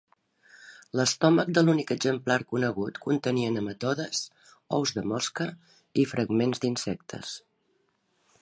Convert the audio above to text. L'estómac de l'únic exemplar conegut contenia nematodes, ous de mosca i fragments d'insectes.